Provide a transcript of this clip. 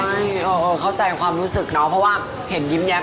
ใช่เข้าใจความรู้สึกเนาะเพราะว่าเห็นยิ้มแย้ม